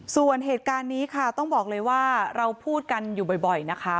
ส่วนเหตุการณ์นี้ค่ะต้องบอกเลยว่าเราพูดกันอยู่บ่อยนะคะ